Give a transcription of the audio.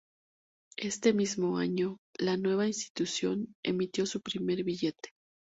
Este mismo año, la nueva institución emitió su primer billete.